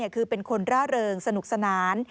คือเป็นคนร่าเริงสนุกสนาน